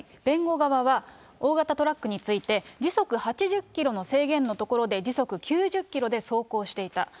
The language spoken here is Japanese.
弁護側は、大型トラックについて、時速８０キロの制限の所で時速９０キロで走行していた。